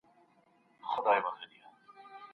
زاړه خبرې بيا راژوندي کېږي.